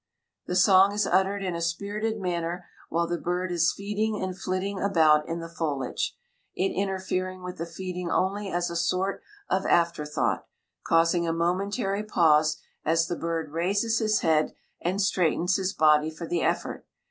The song is uttered in a spirited manner while the bird is feeding and flitting about in the foliage, it interfering with the feeding only as a sort of after thought, causing a momentary pause as the bird raises his head and straightens his body for the effort.